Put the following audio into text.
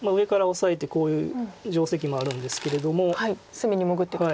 隅に潜っていくと。